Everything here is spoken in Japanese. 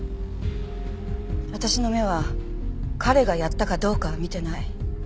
私の目は彼がやったかどうかは見てない。